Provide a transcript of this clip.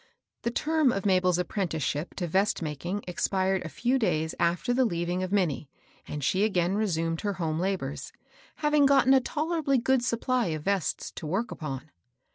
The term of Mabel's apprenticeship to vest mak ing expired a few days after the leaving of Min nie, and she again resumed her home labors, having gotten a tolerably good supply of vests to work upon.